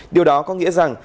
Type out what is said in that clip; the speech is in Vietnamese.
điều đó có nghĩa rằng